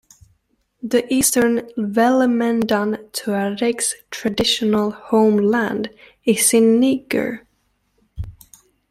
The eastern Iwellemmedan Tuaregs' traditional homeland is in Niger.